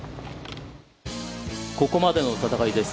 ここまでの戦いです。